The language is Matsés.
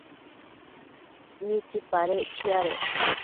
¿mitsipadec chiadec